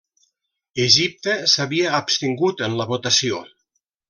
Egipte s'havia abstingut en la votació.